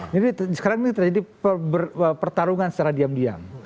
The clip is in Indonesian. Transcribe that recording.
jadi sekarang ini terjadi pertarungan secara diam diam